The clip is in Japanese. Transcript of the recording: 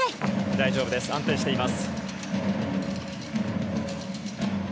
大丈夫です、安定しています。